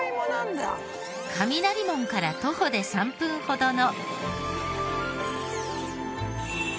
雷門から徒歩で３分ほどの。